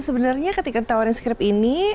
sebenarnya ketika ditawarin script ini